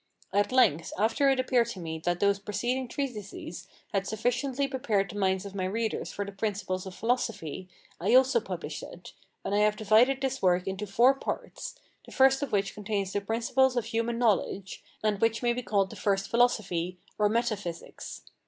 At length, after it appeared to me that those preceding treatises had sufficiently prepared the minds of my readers for the Principles of Philosophy, I also published it; and I have divided this work into four parts, the first of which contains the principles of human knowledge, and which may be called the First Philosophy, or Metaphysics.